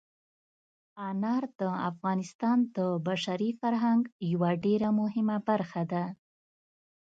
انار د افغانستان د بشري فرهنګ یوه ډېره مهمه برخه ده.